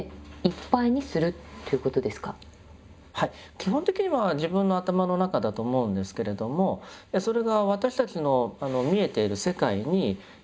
基本的には自分の頭の中だと思うんですけれどもそれが私たちの見えている世界に遍満していると。